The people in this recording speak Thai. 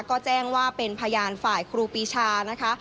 ก็แจ้งว่าเป็นพยานฝ่ายครูปีชานะคะ